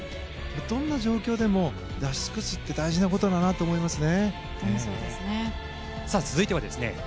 どんな状況でも出し尽くすって大事なことだなと思いますね。